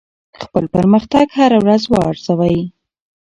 خپل پرمختګ هره ورځ وارزوئ.